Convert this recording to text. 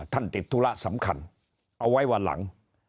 ติดธุระสำคัญเอาไว้วันหลัง